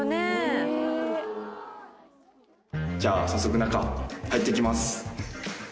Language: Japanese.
「じゃあ早速中入っていきます」